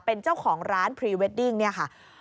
เป็นเจ้าของร้านพรีเวดดิ้งเนี่ยค่ะ